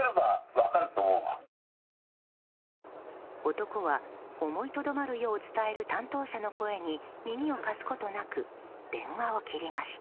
男は思いとどまるよう伝える担当者の声に耳を貸すことなく電話を切りました。